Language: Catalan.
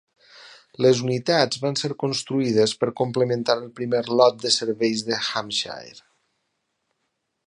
Les unitats van ser construïdes per complementar el primer lot de serveis de Hampshire.